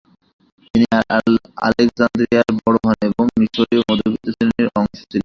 তিনি আলেকজান্দ্রিয়ায় বড় হন এবং মিশরীয় মধ্যবিত্ত শ্রেণীর অংশ ছিলেন।